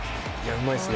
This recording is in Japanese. うまいですね。